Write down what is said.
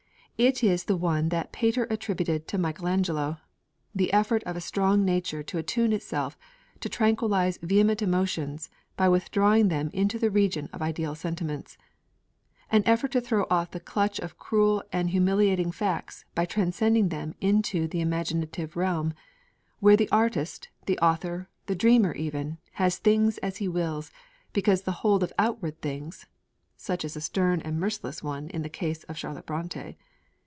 It is the one that Pater attributed to Michael Angelo: '_the effort of a strong nature to attune itself to tranquillise vehement emotions by withdrawing them into the region of ideal sentiments': 'an effort to throw off the clutch of cruel and humiliating facts by translating them into the imaginative realm, where the artist, the author, the dreamer even, has things as he wills, because the hold of outward things_' (such a stern and merciless one in the case of Charlotte Brontë!)